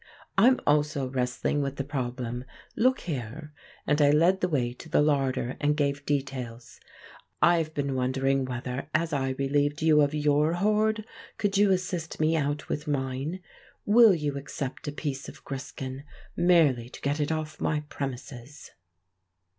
"I'm also wrestling with the problem. Look here," and I led the way to the larder and gave details. "I've been wondering whether, as I relieved you of your hoard, you could assist me out with mine! Will you accept a piece of griskin, merely to get it off my premises?"